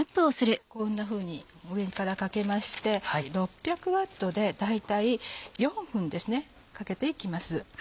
こんなふうに上からかけまして６００Ｗで大体４分かけて行きます。